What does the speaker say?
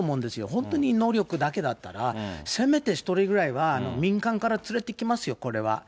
本当に能力だけだったら、せめて１人ぐらいは民間から連れてきますよ、これは。